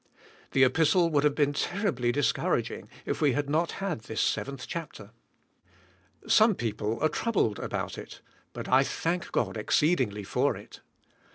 The Epistle would have been terribly discouraging if we WII.I.ING AND DOING. 177 had not had this seventh chapter. Some people are troubled about it, but I thank God exceeding ly for it.